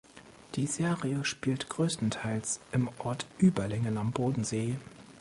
Die Serie spielt größtenteils im Ort Überlingen am Bodensee.